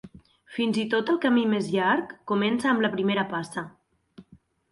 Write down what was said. Fins i tot el camí més llarg comença amb la primera passa.